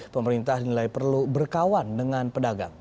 pemerintah dinilai perlu berkawan dengan pedagang